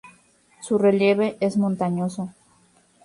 Su relieve es montañoso.